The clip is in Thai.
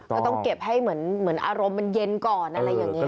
ก็ต้องเก็บให้เหมือนอารมณ์มันเย็นก่อนอะไรอย่างนี้